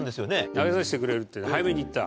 投げさせてくれるっていうんで早めに行った。